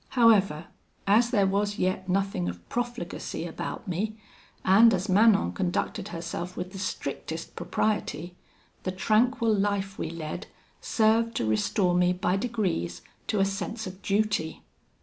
However, as there was yet nothing of profligacy about me, and as Manon conducted herself with the strictest propriety, the tranquil life we led served to restore me by degrees to a sense of duty.